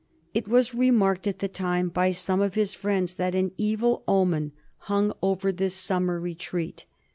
It was remarked at the time by some of his friends that an evil omen hung over this summer retreat.